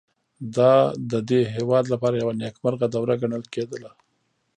دا د دې هېواد لپاره یوه نېکمرغه دوره ګڼل کېده.